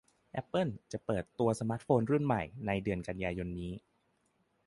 แอปเปิลจะเปิดตัวสมาร์ตโฟนรุ่นใหม่ในเดือนกันยายนนี้